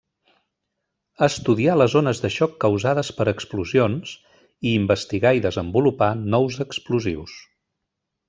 Estudià les ones de xoc causades per explosions, i investigà i desenvolupà nous explosius.